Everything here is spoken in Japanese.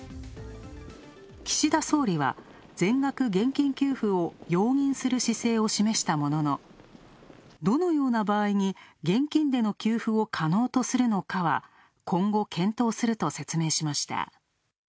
岸田総理は全額現金給付を容認する姿勢を示したものの、どのような場合に現金での給付を可能とするのかは今後検討すると説明しました。